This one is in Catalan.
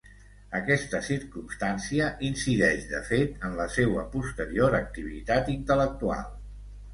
Aquesta circumstància incideix, de fet, en la seua posterior activitat intel·lectual.